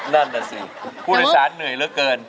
นั่นน่ะสิผู้โดยสารเหนื่อยเหลือเกิน